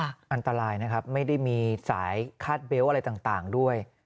อันตรายนะครับไม่ได้มีสายคาดเบลต์อะไรต่างด้วย